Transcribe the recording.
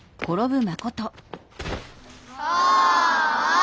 ああ！